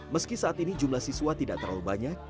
meski saat ini jumlah siswa tidak terlalu banyak